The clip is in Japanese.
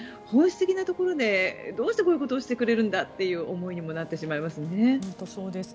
本質なところでどうしてこんなことをしてくれるんだという思いにもなってしまいますよね。